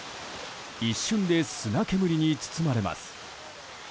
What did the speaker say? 一瞬で砂煙に包まれます。